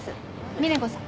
峰子さん。